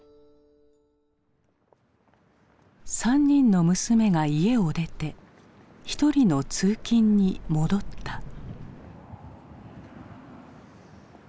３人の娘が家を出て１人の通勤に戻った。